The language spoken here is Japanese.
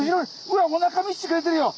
うわっおなか見してくれてるよ！